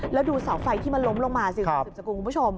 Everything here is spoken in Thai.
แล้วดูเสาไฟที่มันล้มลงมาสิคุณสืบสกุลคุณผู้ชม